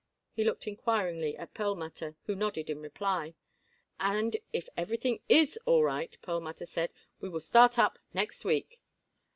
He looked inquiringly at Perlmutter, who nodded in reply. "And if everything is all right," Perlmutter said, "we will start up next week."